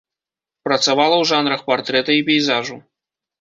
Працавала ў жанрах партрэта і пейзажу.